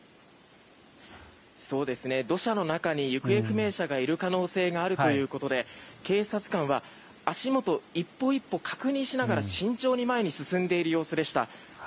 土砂の中に行方不明者がいる可能性があるということで警察官は足元を１歩１歩確認しながら慎重に前に進んでいる様子でした。